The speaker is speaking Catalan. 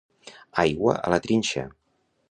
Aigua a la trinxa.